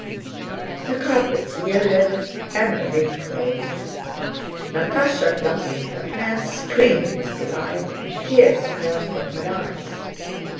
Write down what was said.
The carpets yielded and the lid closed; Natásha, clapping her hands, screamed with delight and tears fell from her eyes.